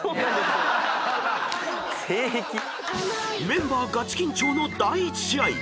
［メンバーガチ緊張の第１試合］